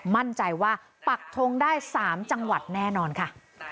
มั่นใจว่าปักทงได้๓จังหวัดแน่นอนค่ะ